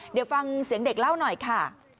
เดี๋ยวฟังเสียงเด็กเล่าหน่อยค่ะ